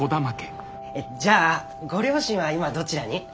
じゃあご両親は今どちらに？